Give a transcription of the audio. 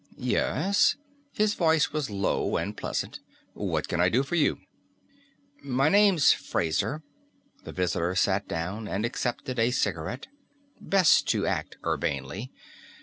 "Yes?" His voice was low and pleasant. "What can I do for you?" "My name's Fraser." The visitor sat down and accepted a cigarette. Best to act urbanely.